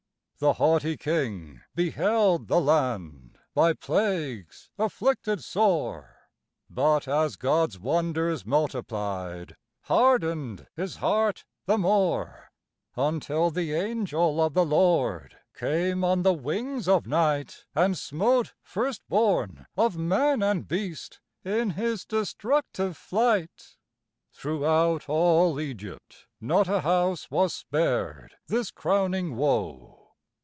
The haughty king beheld the land, By plagues afflicted sore, But, as God's wonders multiplied, Hardened his heart the more; Until the angel of the Lord Came on the wings of Night, And smote first born of man and beast, In his destructive flight. Throughout all Egypt, not a house Was spared this crowning woe.